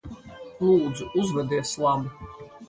Lūdzu, uzvedies labi.